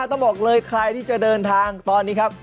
ต้องบอกเลยใครที่จะเดินทางตอนนี้ครับ